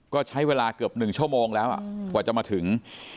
ก็ใช้เวลาเกือบ๑ชั่วโมงแล้วกว่าจะมาถึง